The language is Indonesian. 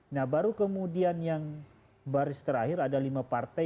nah baru kemudian yang baris terakhir ada lima partai